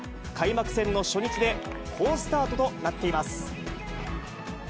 開幕戦の初日で、好スタートとなっています。